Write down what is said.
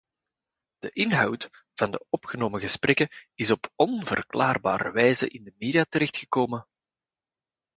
De inhoud van opgenomen gesprekken is op onverklaarbare wijze in de media terechtgekomen.